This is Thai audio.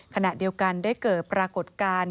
ขณะเดียวกันได้เกิดปรากฏการณ์